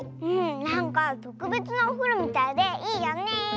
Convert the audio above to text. なんかとくべつなおふろみたいでいいよね。